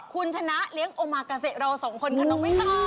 คุณชนะเลี้ยงโอมากาเซเราสองคนค่ะน้องวิตเตอร์